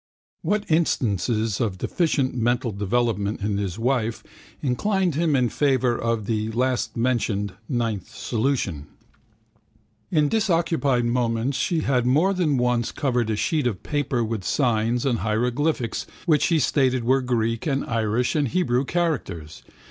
What instances of deficient mental development in his wife inclined him in favour of the lastmentioned (ninth) solution? In disoccupied moments she had more than once covered a sheet of paper with signs and hieroglyphics which she stated were Greek and Irish and Hebrew characters.